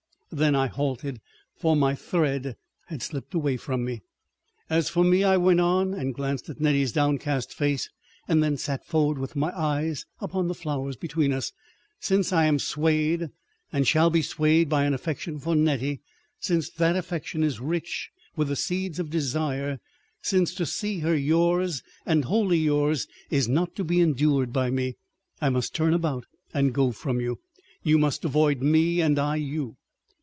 Then I halted—for my thread had slipped away from me. "As for me," I went on, and glanced at Nettie's downcast face, and then sat forward with my eyes upon the flowers between us, "since I am swayed and shall be swayed by an affection for Nettie, since that affection is rich with the seeds of desire, since to see her yours and wholly yours is not to be endured by me—I must turn about and go from you; you must avoid me and I you.